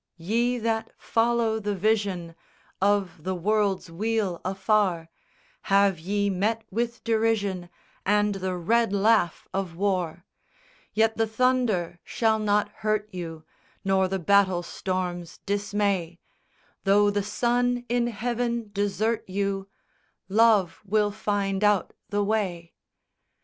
SONG I _Ye that follow the vision Of the world's weal afar, Have ye met with derision And the red laugh of war; Yet the thunder shall not hurt you, Nor the battle storms dismay; Tho' the sun in heaven desert you, "Love will find out the way."